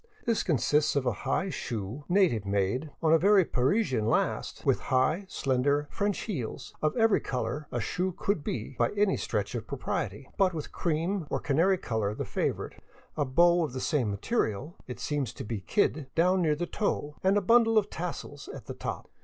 This consists of a high shoe, native made, on a very Parisian last, with high, slender " French heels," of every color a shoe could be by any stretch of propriety, but with cream or canary color the favorite, a bow of the same material — it seems to be kid — down near the toe and a bundle of tassels at the top.